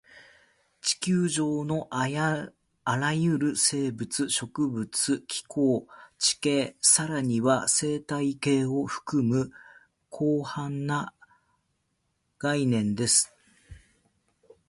地球上のあらゆる生物、植物、気候、地形、さらには生態系を含む広範な概念です